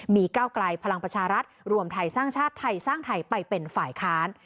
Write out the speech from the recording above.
มีก้าวไกลพลังประชารัฐรวมไทยสร้างชาติไทยสร้างไทยไปเป็นฝ่ายค้าน